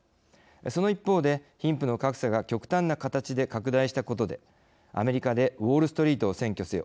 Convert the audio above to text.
その一方で貧富の格差が極端な形で拡大したことでアメリカで「ウォールストリートを占拠せよ！！」